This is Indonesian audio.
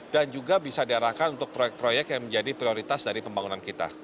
dan juga bisa diarahkan untuk proyek proyek yang menjadi prioritas dari pembangunan kita